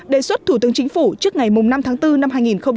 đề xuất thủ tướng chính phủ trước ngày năm tháng bốn năm hai nghìn hai mươi